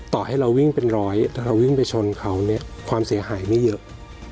ต่อให้เราวิ่งเป็นร้อยถ้าเราวิ่งไปชนเขาเนี่ยความเสียหายไม่เยอะ